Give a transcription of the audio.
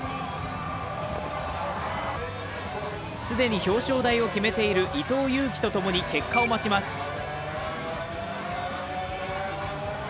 既に表彰台を決めている伊藤有希とともに結果を待ちます。